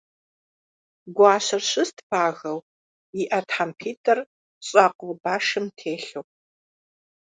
Гуащэр щыст пагэу, и Ӏэ тхьэмпитӀыр щӀакъуэ башым телъу.